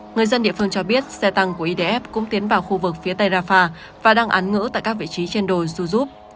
người dân địa phương cho biết xe tăng của idf cũng tiến vào khu vực phía tây rafah và đang án ngữ tại các vị trí trên đồi suzub